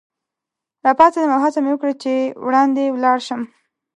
راپاڅېدم او هڅه مې وکړل چي وړاندي ولاړ شم.